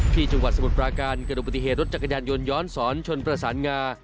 จังหวัดสมุทรปราการเกิดอุบัติเหตุรถจักรยานยนต์ย้อนสอนชนประสานงา